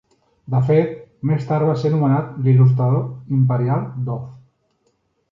De fet, més tard va ser nomenat l'Il·lustrador Imperial d'Oz.